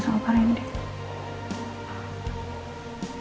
saya percaya apap